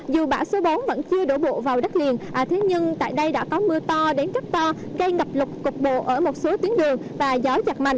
dù bão số bốn vẫn chưa đổ bộ vào đất liền thế nhưng tại đây đã có mưa to đến rất to gây ngập lục cục bộ ở một số tuyến đường và gió giật mạnh